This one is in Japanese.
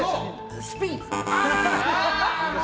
スピン。